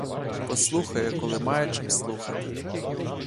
Послухає, коли має чим слухати.